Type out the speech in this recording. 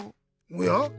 おや？